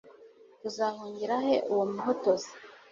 tuzahungira he uwo muhotozi